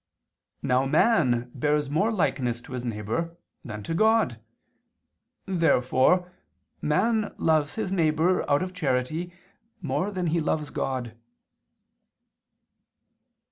Now man bears more likeness to his neighbor than to God. Therefore man loves his neighbor, out of charity, more than he loves God.